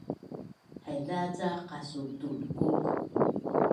haiza ca qasu’tulkuk